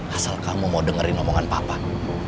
asal kamu mau dengerin omongan papan